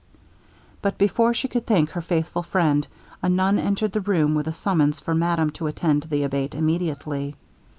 But before she could thank her faithful friend, a nun entered the room with a summons for madame to attend the Abate immediately.